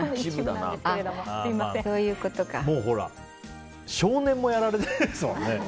もうほら、少年もやられてますもんね。